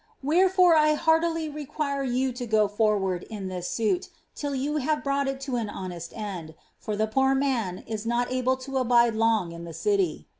Wherefore I heartily re quire you JO ;!o forward in this suit till you have brought it to an honest end, ix the poor man is not able to abide long in the city.